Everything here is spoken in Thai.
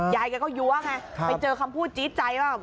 ยายแกก็ยั้วไงไปเจอคำพูดจี๊ดใจว่า